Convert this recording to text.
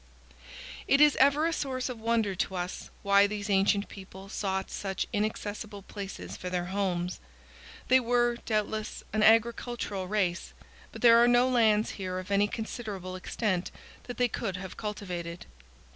It is ever a source of wonder to us why these ancient people sought such inaccessible places for their homes. They were, doubtless, an agricultural race, but there are no lands here of any considerable extent that they could have cultivated.